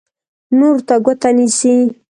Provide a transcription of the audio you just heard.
نورو ته ګوته نیسي.